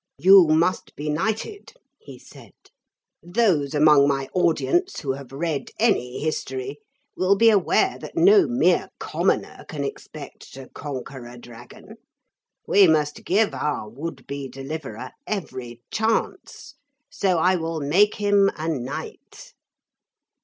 'You must be knighted,' he said; 'those among my audience who have read any history will be aware that no mere commoner can expect to conquer a dragon. We must give our would be Deliverer every chance. So I will make him a knight.'